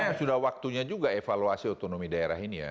karena sudah waktunya juga evaluasi otonomi daerah ini ya